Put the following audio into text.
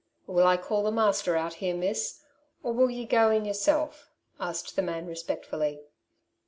^' Will I call the master out here, miss; or will ye go in yourself ?^^ asked the man respectfully.